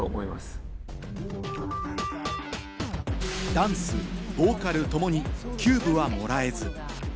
ダンス、ボーカルともにキューブはもらえず。